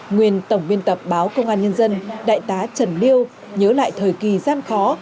nguyên tổng biên tập báo công an nhân dân đại tá trần liêu nhớ lại thời kỳ gian khó